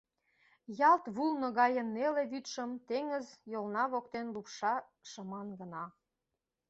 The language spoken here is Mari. Ялт вулно гае неле вӱдшым теҥыз йолна воктен лупша шыман гына.